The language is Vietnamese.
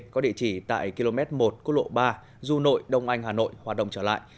có địa chỉ tại km một quốc lộ ba du nội đông anh hà nội hoạt động trở lại